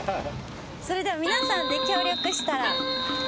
それでは皆さんで協力したら。